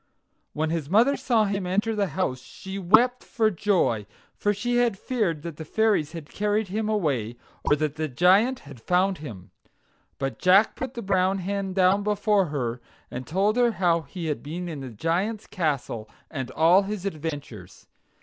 When his mother saw him enter the house she wept for joy, for she had feared that the fairies had carried him away, or that the Giant had found him. But Jack put the brown hen down before her, and told her how he had been in the Giant's castle, and all his adventures.